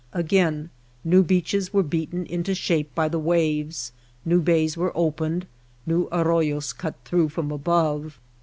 Again new beaches were beaten into shape by the waves, new bays were opened, new arroyos cut through from above.